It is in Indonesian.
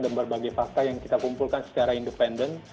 dan berbagai fakta yang kita kumpulkan secara independen